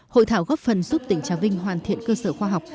hội thảo góp phần giúp tỉnh trà vinh hoàn thiện cơ sở khoa học